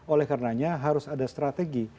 oleh karenanya harus ada strategi